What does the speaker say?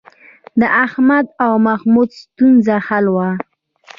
د احمد او محمود ستونزه حل وه